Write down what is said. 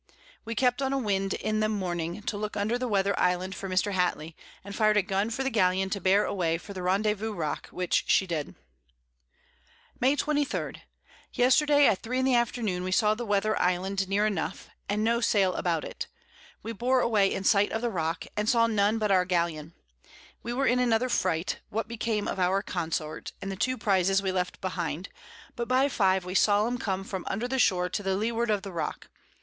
We kept on a Wind in the Morning to look under the Weather Island for Mr. Hatley, and fired a Gun for the Galleon to bear away for the Rendevouz Rock, which she did. [Sidenote: At the Gallapagos Islands.] May 23. Yesterday at 3 in the Afternoon we saw the Weather Island near enough, and no Sail about it. We bore away in sight of the Rock, and saw none but our Galleon; we were in another Fright what became of our Consort, and the 2 Prizes we left behind; but by 5 we saw 'em come from under the Shore to the Leeward of the Rock.